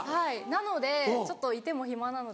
なのでちょっといても暇なので。